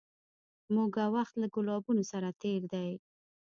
موږه وخت له ګلابونو سره تېر دی